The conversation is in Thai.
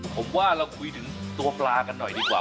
ผมว่าเราคุยถึงตัวปลากันหน่อยดีกว่า